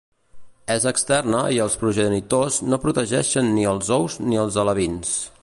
És externa i els progenitors no protegeixen ni els ous ni els alevins.